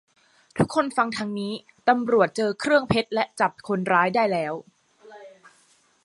ทุกคนฟังทางนี้ ตำรวจเจอเครื่องเพชรและจับคนร้ายได้แล้ว